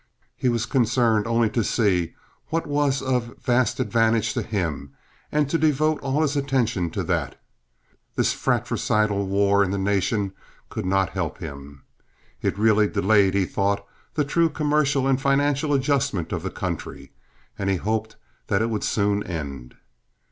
He was concerned only to see what was of vast advantage to him, and to devote all his attention to that. This fratricidal war in the nation could not help him. It really delayed, he thought, the true commercial and financial adjustment of the country, and he hoped that it would soon end.